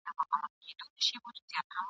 یوه ورځ یې یوه زرکه وه نیولې ..